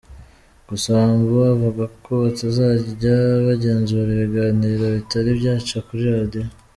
Gusa Wambua avuga ko batazajya bagenzura ibiganiro bitari byaca kuri radiyo.